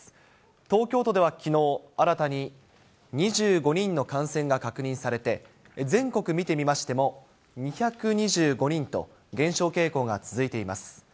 東京都ではきのう、新たに２５人の感染が確認されて、全国見てみましても、２２５人と、減少傾向が続いています。